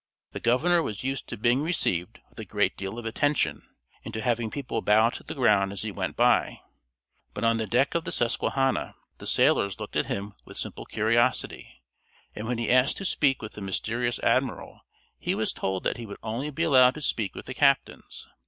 The governor was used to being received with a great deal of attention, and to having people bow to the ground as he went by; but on the deck of the Susquehanna the sailors looked at him with simple curiosity, and when he asked to speak with the mysterious admiral, he was told that he would only be allowed to speak with the captains.